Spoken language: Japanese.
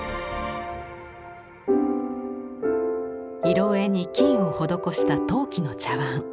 色絵に金を施した陶器の茶碗。